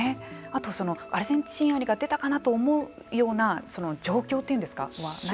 あとアルゼンチンアリが出たかなと思うような状況というのですか。